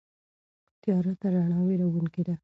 تیاره تر رڼا وېروونکې ده.